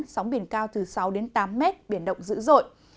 sóng biển cao từ sáu tám m biển động dữ dội